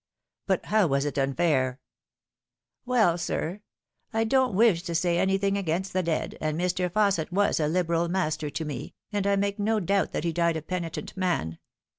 " But how was it unfair ?"" Well, sir, / don't wish to say anything against the dead, and Mr. Fausset was a liberal master to me, and I make no doubt that he died a penitent man.